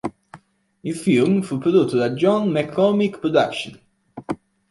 Il film fu prodotto dalla John McCormick Productions.